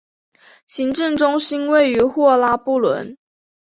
行政中心位于霍拉布伦。